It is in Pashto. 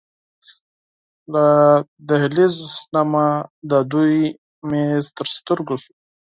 له دهلېز نه مې د دوی میز تر سترګو شو.